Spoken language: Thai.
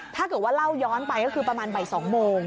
ถ้าเกิดว่าเล่าย้อนไปก็คือประมาณบ่าย๒โมง